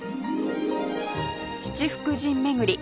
七福神巡り